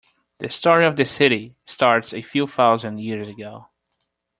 The story of the city starts a few thousand years ago.